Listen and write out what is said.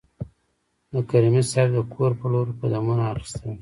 د کریمي صیب د کور په لور قدمونه اخیستل.